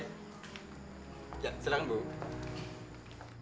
ya selamat sore